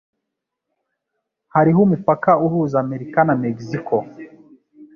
Hariho umupaka uhuza Amerika na Mexico.